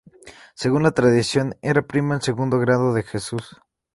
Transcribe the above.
Según la tradición era primo en segundo grado de Jesús.